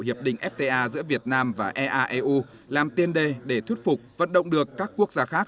hiệp định fta giữa việt nam và eaeu làm tiên đề để thuyết phục vận động được các quốc gia khác